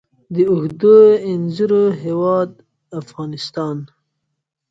د اوږدو انځرو هیواد افغانستان.